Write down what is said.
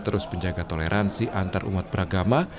terus menjaga toleransi antarumat beragama